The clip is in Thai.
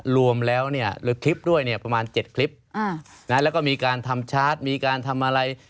รวมแล้วเนี่ยหรือคลิปด้วยเนี่ยประมาณ๗คลิปแล้วก็มีการทำชาร์จมีการทำอะไร